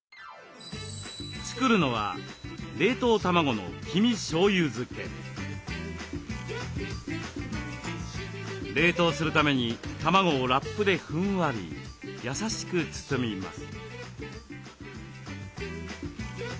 作るのは冷凍するために卵をラップでふんわり優しく包みます。